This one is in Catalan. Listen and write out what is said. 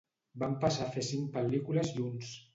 Van passar a fer cinc pel·lícules junts.